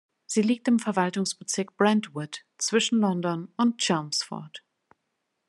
Sie liegt im Verwaltungsbezirk Brentwood, zwischen London und Chelmsford.